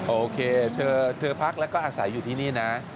โอเคเธอพักแล้วก็อาศัยอยู่ที่นี่นะ